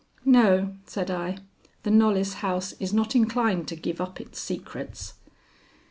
"No," said I. "The Knollys house is not inclined to give up its secrets."